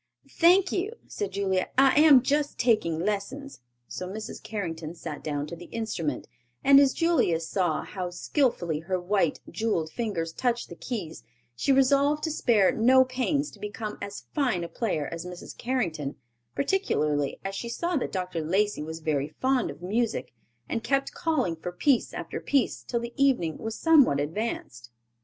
"Thank you," said Julia, "I am just taking lessons," so Mrs. Carrington sat down to the instrument, and as Julia saw how skillfully her white, jewelled fingers touched the keys, she resolved to spare no pains to become as fine a player as Mrs. Carrington, particularly as she saw that Dr. Lacey was very fond of music and kept calling for piece after piece till the evening was somewhat advanced.